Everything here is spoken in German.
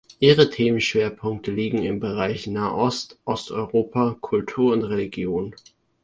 Ihre Themenschwerpunkte liegen im Bereich Nahost, Osteuropa, Kultur und Religion.